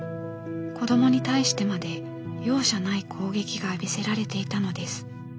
子どもに対してまで容赦ない攻撃が浴びせられていたのです。